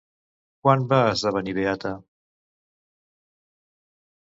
Quan va esdevenir beata?